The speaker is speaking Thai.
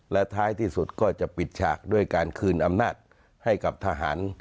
และท้ายที่สุดก็จะปิดฉากด้วยการคืนอำนาจให้กับทหาร